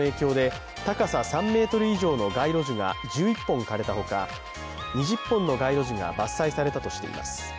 除草剤の影響で高さ３ｍ以上の街路樹が１１本枯れたほか、２０本の街路樹が伐採されたとしています。